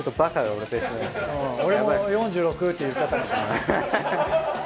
俺も４６って言っちゃったもんね。